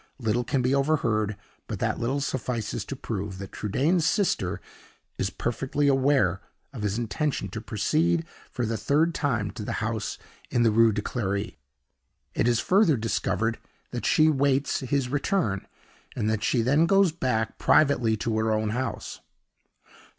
Little can be overheard; but that little suffices to prove that Trudaine's sister is perfectly aware of his intention to proceed for the third time to the house in the Rue de Clery. It is further discovered that she awaits his return, and that she then goes back privately to her own house.